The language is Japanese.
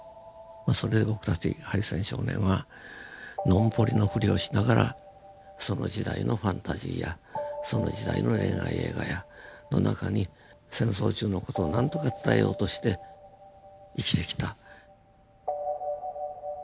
それで僕たち敗戦少年はノンポリのフリをしながらその時代のファンタジーやその時代の恋愛映画の中に戦争中の事を何とか伝えようとして生きてきた。